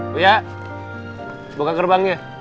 luya buka kerbangnya